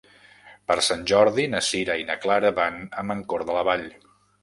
Per Sant Jordi na Sira i na Clara van a Mancor de la Vall.